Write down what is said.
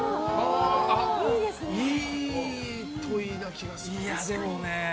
いい問いな気がする。